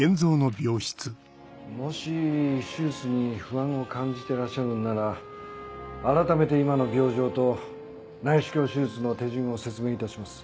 もし手術に不安を感じてらっしゃるのなら改めて今の病状と内視鏡手術の手順を説明いたします。